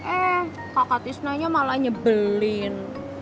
eh kakak tisnanya malah nyebelin